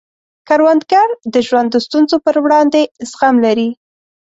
کروندګر د ژوند د ستونزو پر وړاندې زغم لري